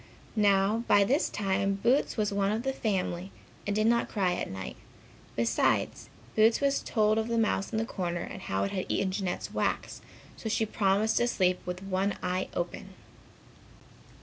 Now, by this time Boots was one of the family and did not cry at night. Besides Boots was told of the mouse in the corner and how he had eaten Jeanette's wax, so she promised to sleep with one eye open.